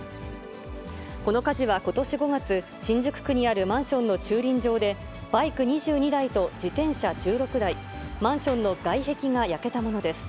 この火事はことし５月、新宿区にあるマンションの駐輪場で、バイク２２台と自転車１６台、マンションの外壁が焼けたものです。